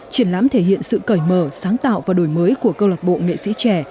triển lãm thể hiện sự cởi mở sáng tạo và đổi mới của câu lạc bộ nghệ sĩ trẻ